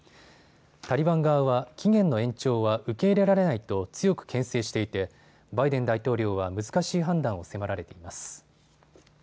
タリバン側は期限の延長は受け入れられないと強くけん制していてバイデン大統領は難しい判断を迫られています。